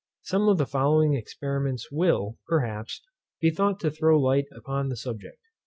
Some of the following experiments will, perhaps, be thought to throw light upon the subject.